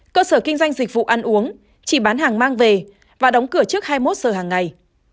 cơ sở kinh doanh dịch vụ ăn uống chỉ bán hàng mang về và đóng cửa trước hai mươi một giờ hàng ngày